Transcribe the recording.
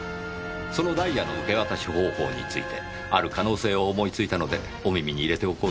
そのダイヤの受け渡し方法についてある可能性を思いついたのでお耳に入れておこうと思いまして。